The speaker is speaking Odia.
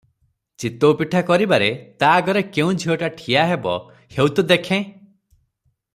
ଚିତଉପିଠା କରିବାରେ ତା ଆଗରେ କେଉଁ ଝିଅଟା ଠିଆ ହେବ ହେଉ ତ ଦେଖେଁ ।